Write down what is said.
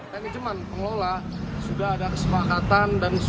yang keceman pengelola sudah ada kesepakatan dan kesempatan